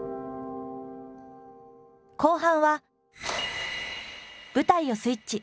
後半は舞台をスイッチ。